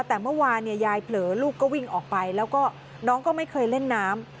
แต่เมื่อวานยายเผลอลูกก็วิ่งออกไปแล้วก็น้องก็ไม่เคยเล่นน้ำ